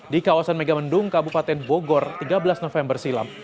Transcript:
di kawasan megamendung kabupaten bogor tiga belas november silam